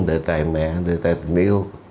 đề tài mẹ đề tài tình yêu